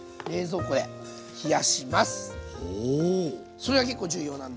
それが結構重要なんで。